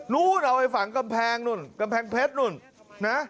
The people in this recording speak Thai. นู้นเอาไปฝังกำแพงนู่นกำแพงเพชรนู่นนะ